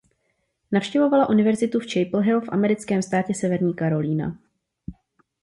Navštěvovala univerzitu v Chapel Hill v americkém státě Severní Karolína.